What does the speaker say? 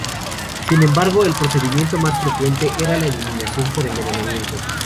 Sin embargo, el procedimiento más frecuente era la eliminación por envenenamiento.